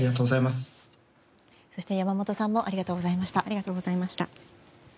そして山本さんもありがとうございました。